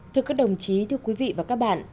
thưa các đồng chí thưa quý vị và các bạn